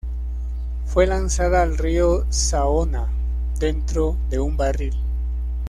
Fue lanzada al río Saona dentro de un barril.